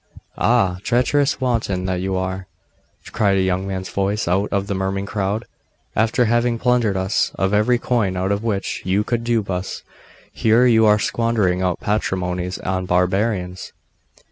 'Ah! treacherous wanton that you are!' cried a young man's voice out of the murmuring crowd. 'After having plundered us of every coin out of which you could dupe us, here you are squandering our patrimonies on barbarians!